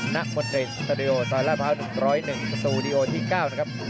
นะมดรินสตูดิโอไทยรัฐพร้าว๑๐๑สตูดิโอที่๙นะครับ